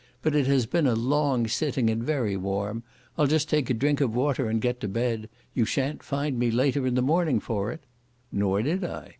But it has been a long sitting, and very warm; I'll just take a drink of water, and get to bed; you shan't find me later in the morning for it." Nor did I.